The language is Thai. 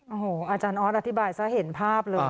โอ้โหอาจารย์ออสอธิบายซะเห็นภาพเลย